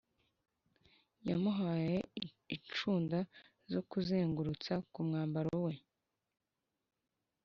Yamuhaye inshunda zo kuzengurutsa ku mwambaro we,